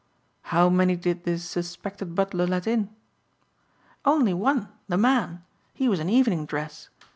"How many did this suspected butler let in?" "Only one, the man. He was in evening dress.